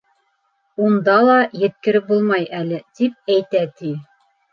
Унда ла еткереп булмай әле тип әйтә, ти.